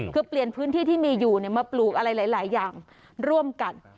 คือเปลี่ยนพื้นที่ที่มีอยู่มาปลูกอะไรหลายอย่างร่วมกัน